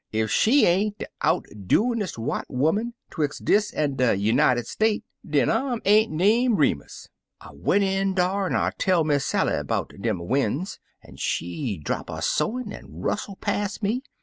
ef she ain't de out doinist white 'oman 'twix' dis an' de Nunited State, den I 'm ain't name Remus. I went in dar an' I tell Miss Sally 'bout dem wens, an' she drap 'er sewin' an' rustle pas' me.